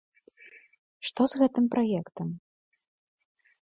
Што з гэтым праектам?